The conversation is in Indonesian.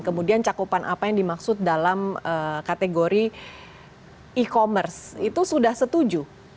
kemudian cakupan apa yang dimaksud dalam kategori e commerce itu sudah setuju